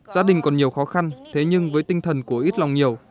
gia đình còn nhiều khó khăn thế nhưng với tinh thần của ít lòng nhiều